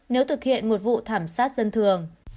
nếu thực hiện một vụ thảm sát dân thường